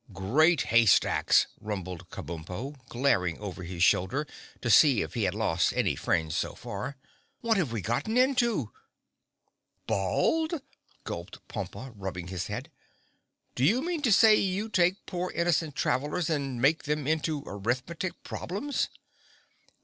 "Great hay stacks!" rumbled Kabumpo, glaring over his shoulder to see if he had lost any fringe so far. "What have we gotten into?" "Bald!" gulped Pompa, rubbing his head. "Do you mean to say you take poor innocent travelers and make them into arithmetic problems?"